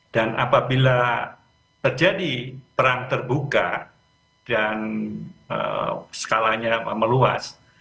dan apabila terjadi perang terbuka dan skalanya meluas